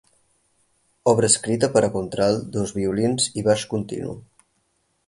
Obra escrita per a contralt, dos violins i baix continu.